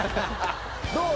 どう？